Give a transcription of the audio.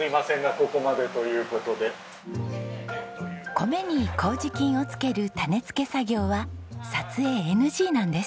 米に糀菌をつける種付け作業は撮影ＮＧなんです。